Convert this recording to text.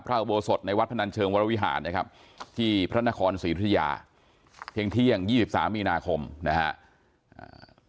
พระอุโบสถในวัดพระนันเชิงวรวิหารนะครับที่พระนครศรีธุริยาเที่ยงเที่ยง๒๓อีนาคมนะฮะ